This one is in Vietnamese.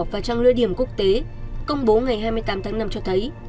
và trang lưa điểm quốc tế công bố ngày hai mươi tám tháng năm cho thấy